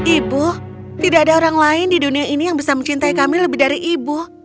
ibu tidak ada orang lain di dunia ini yang bisa mencintai kami lebih dari ibu